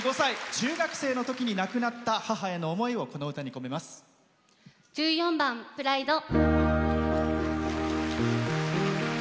中学生のときに亡くなった母への思いを１４番「ＰＲＩＤＥ」。